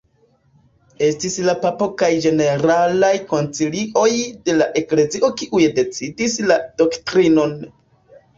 Estis la papo kaj ĝeneralaj koncilioj de la eklezio kiuj decidis la doktrinon.